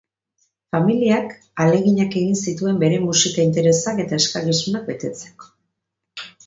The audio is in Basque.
Familiak ahaleginak egin zituen bere musika interesak eta eskakizunak betetzeko.